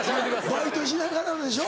バイトしながらでしょ？